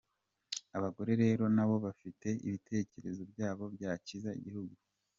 Abagore rero nabo bafite ibitekerezo byabo byakiza igihugu.